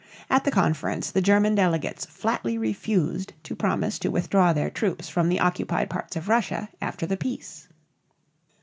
At the conference the German delegates flatly refused to promise to withdraw their troops from the occupied parts of Russia after the peace.